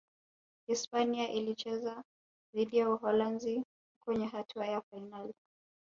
hispania ilicheza dhidi ya Uholanzi kwenye hatua ya fainali